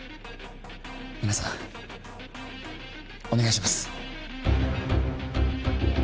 皆さんお願いします